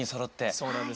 そうなんです。